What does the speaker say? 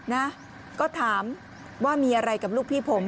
นะก็ถามว่ามีอะไรกับลูกพี่ผม